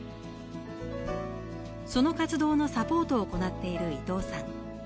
その活動のサポートを行っている伊藤さん。